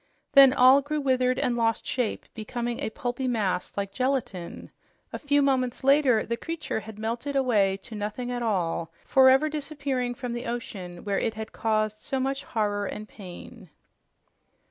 Then all grew withered and lost shape, becoming a pulpy mass, like gelatin. A few moments later the creature had melted away to nothing at all, forever disappearing from the ocean where it had caused so much horror and pain.